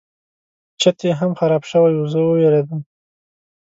چت یې هم خراب شوی و زه وویرېدم.